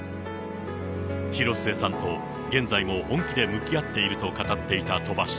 広末さんと現在も本気で向き合っていると語っていた鳥羽氏。